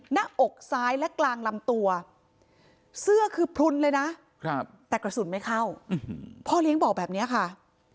หน้าอกซ้ายและกลางลำตัวเสื้อคือพลุนเลยนะแต่กระสุนไม่เข้าพ่อเลี้ยงบอกแบบนี้ค่ะ